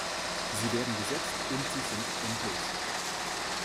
Sie werden gesetzt, und sie sind endlos.